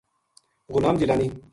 غلام جیلانی